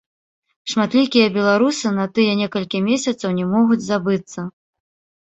Шматлікія беларусы на тыя некалькі месяцаў не могуць забыцца.